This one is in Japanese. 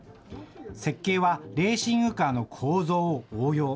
設計はレーシングカーの構造を応用。